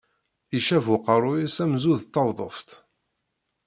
Icab uqerruy-is amzu d tawḍuft.